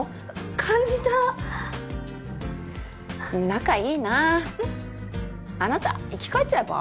感じた仲いいなあなた生き返っちゃえば？